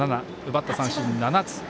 奪った三振７つ